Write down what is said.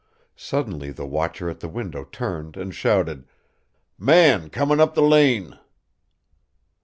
Suddenly the watcher at the window turned and shouted, "Man comin' up the lane!"